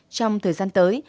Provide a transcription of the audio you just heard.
trong thời gian tới